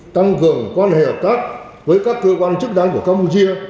tăng cường quan hệ hợp tác với các cơ quan chức năng của campuchia